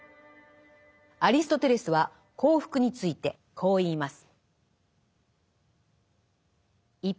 アリストテレスは「幸福」についてこう言います。